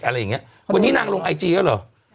อะไรอย่างเงี้ยวันนี้นางลงไอจีแล้วเหรอ